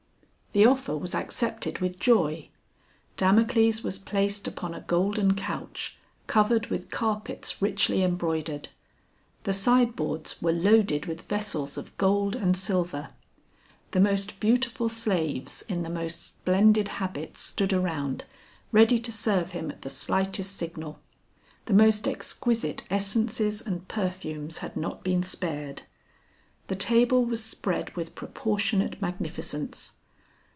The offer was accepted with joy; Damocles was placed upon a golden couch, covered with carpets richly embroidered. The side boards were loaded with vessels of gold and silver. The most beautiful slaves in the most splendid habits stood around, ready to serve him at the slightest signal. The most exquisite essences and perfumes had not been spared. The table was spread with proportionate magnificence.